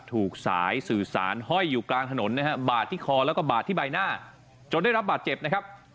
ถูกสายสื่อสารห้อยอยู่กลางถนนนะฮะบาดที่คอแล้วก็บาดที่ใบหน้าจนได้รับบาดเจ็บนะครับ